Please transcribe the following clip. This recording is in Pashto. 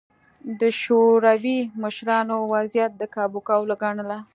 د شوروي مشرانو وضعیت د کابو کولو ګڼله